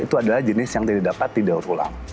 itu adalah jenis yang tidak dapat didaur ulang